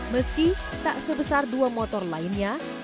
meski tak sebesar dua motor lainnya